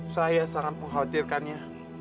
saya sangat mengkhawatirkannya